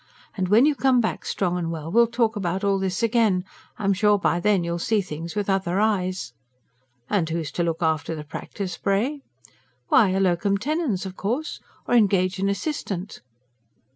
And when you come back strong and well we'll talk about all this again. I'm sure by then you'll see things with other eyes." "And who's to look after the practice, pray?" "Why, a LOCUM TENENS, of course. Or engage an assistant."